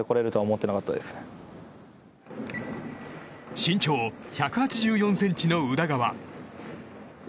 身長１８４ｃｍの宇田川。